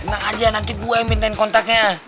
nang aja nanti gue yang minta kontaknya